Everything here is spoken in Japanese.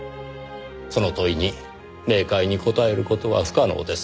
その問いに明快に答える事は不可能です。